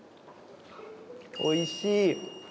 おいしい。